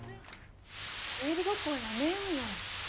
推理ごっこはやめようよ。